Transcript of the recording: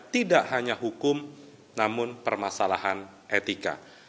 tidak hanya hukum namun permasalahan etika